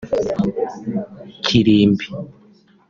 Kirimbi